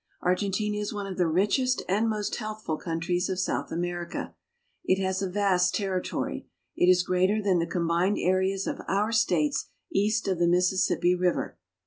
Argentina is one of the richest and most healthful countries of South America. It has a vast territory. It is greater than the combined areas of our States east of the Mississippi river.